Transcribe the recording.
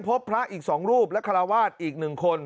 มีพฤติกรรมเสพเมถุนกัน